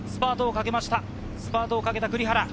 スパートをかけた栗原。